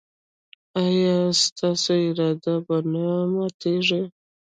ایا ستاسو اراده به نه ماتیږي؟